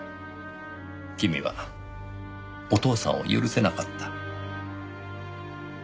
君はお父さんを許せなかった。